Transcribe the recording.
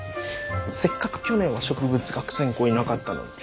せっかく去年は植物学専攻いなかったのに。